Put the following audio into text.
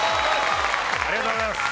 ありがとうございます。